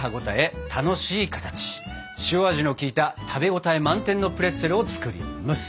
塩味の効いた食べ応え満点のプレッツェルを作ります。